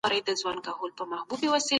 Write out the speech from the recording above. پکار ده، چي په مقايسه کي د بد نسبت وکړي.